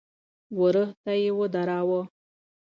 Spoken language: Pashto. وره ته يې ودراوه.